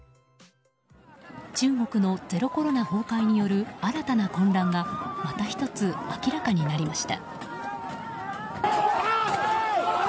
中国のゼロコロナ崩壊による新たな混乱がまた１つ明らかになりました。